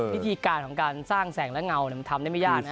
วิธีการของการสร้างแสงและเงามันทำได้ไม่ยากนะ